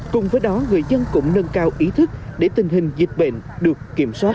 cùng với đó người dân cũng nâng cao ý thức để tình hình dịch bệnh được kiểm soát